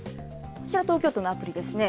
こちら東京都のアプリですね。